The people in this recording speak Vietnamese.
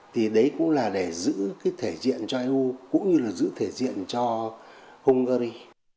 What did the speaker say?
thì đấy cũng là để giữ cái thể diện cho eu cũng như là giữ thể diện cho hungary